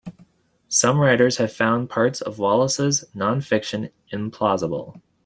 Some writers have found parts of Wallace's nonfiction implausible.